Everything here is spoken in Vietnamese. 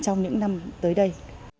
trong những năm tới đây